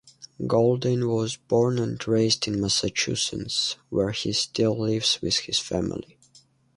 Golden was born and raised in Massachusetts, where he still lives with his family.